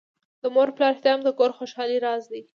د مور پلار احترام د کور د خوشحالۍ راز دی.